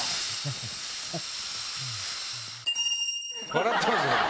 ⁉笑ってますね。